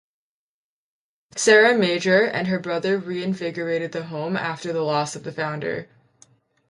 Sarah Major and her brother reinvigorated the home after the loss of the founder.